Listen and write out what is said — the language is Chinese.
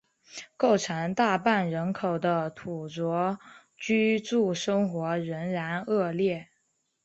构成大半人口的土着居住生活仍然恶劣。